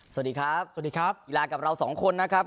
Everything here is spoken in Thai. สวัสดีครับสวัสดีครับกีฬากับเราสองคนนะครับ